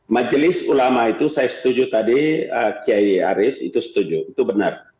majelis ulama itu saya setuju tadi kiai arief itu setuju itu benar